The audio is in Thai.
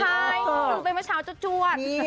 ใช่หนึ่งไปเมื่อเช้าเจ้าจวด